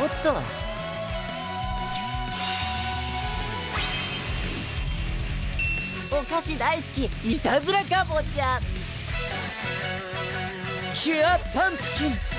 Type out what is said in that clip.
おっとお菓子大すきいたずらかぼちゃキュアパンプキン！